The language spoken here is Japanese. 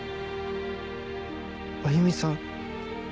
歩さん？